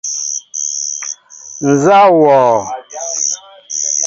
Nzá wɔɔ ?